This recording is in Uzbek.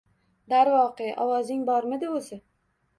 Darvoqe, ovozing bormidi oʻzi?